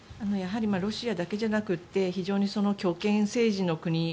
ロシアだけじゃなくて非常に強権政治の国